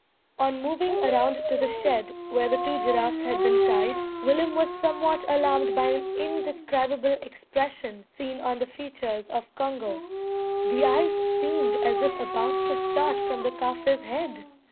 On moving around to the shed where the two giraffes had been tied, Willem was somewhat alarmed by an indescribable expression seen on the features of Congo. The eyes seemed as if about to start from the Kaffir's head!